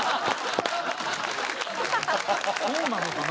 そうなのかな？